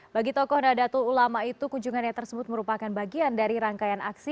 bagi tokoh nadatul ulama itu kunjungannya tersebut merupakan bagian dari rangkaian aksi